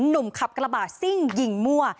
หนุ่มขับกระบาดซิ่งยิงมั่ว